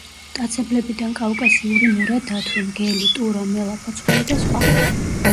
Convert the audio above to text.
მტაცებლებიდან კავკასიური მურა დათვი, მგელი, ტურა, მელა, ფოცხვერი და სხვა.